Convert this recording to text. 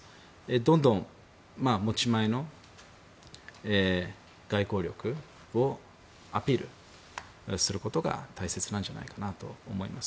どんどん持ち前の外交力をアピールすることが大切なんじゃないかなと思います。